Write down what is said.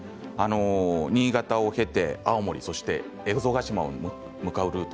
新潟を経て、青森そして蝦夷ヶ島に向かうルート。